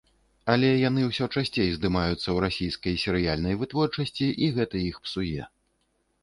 Але яны ўсё часцей здымаюцца ў расійскай серыяльнай вытворчасці, і гэта іх псуе.